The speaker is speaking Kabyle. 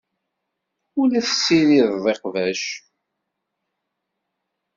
Ur la tessirideḍ iqbac.